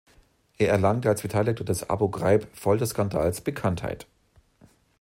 Er erlangte als Beteiligter des Abu-Ghuraib-Folterskandals Bekanntheit.